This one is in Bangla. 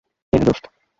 এই নে, দোস্ত।